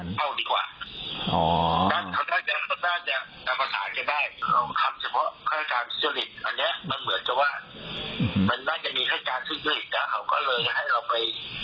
ตอนผมไปแล้วภูมิอาการกันจะมา